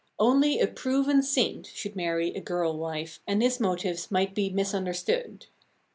Only a proven saint should marry a girl wife, and his motives might be misunderstood.